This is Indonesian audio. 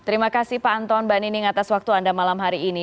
terima kasih pak anton mbak nining atas waktu anda malam hari ini